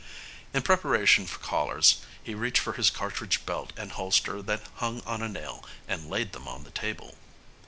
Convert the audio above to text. In preparation for callers he reached for his cartridge belt and holster that hung on a nail and laid them on the table.